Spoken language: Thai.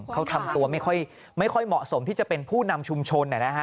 เขาทำตัวไม่ค่อยเหมาะสมที่จะเป็นผู้นำชุมชน